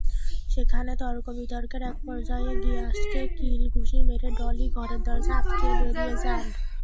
সেখানে তর্ক-বিতর্কের একপর্যায়ে গিয়াসকে কিল-ঘুষি মেরে ডলি ঘরের দরজা আটকিয়ে বেরিয়ে যান।